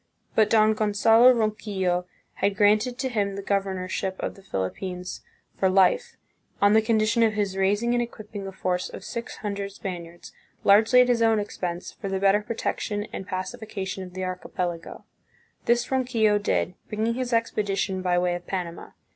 But Don Gonzalo Ronquillo had granted to him the governorship of the Philippines for life, on the condition of his raising and equipping a force of six hundred Spaniards, largely at his own expense, for the better protection and pacification of the archipelago. This Ronquillo did, bringing his expedition by way of Panama.